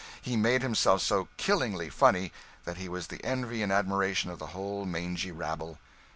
He made himself so killingly funny that he was the envy and admiration of the whole mangy rabble.